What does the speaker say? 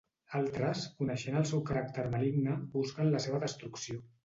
Altres, coneixent el seu caràcter maligne, busquen la seva destrucció.